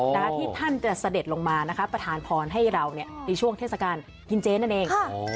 และที่ท่านจะเสด็จลงมานะคะประธานพรให้เราในช่วงเทศกาลกินเจนั่นเอง